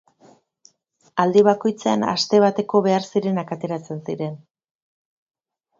Aldi bakoitzean aste bateko behar zirenak ateratzen ziren.